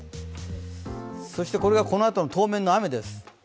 これがこのあとの当面の雨です。